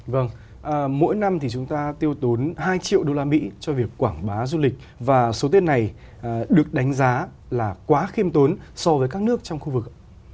vâng mỗi năm thì chúng ta tiêu tốn hai triệu usd cho việc quảng bá du lịch và số tiền này được đánh giá là quá khiêm tốn so với các nước trong khu vực